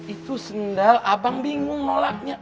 itu sendal abang bingung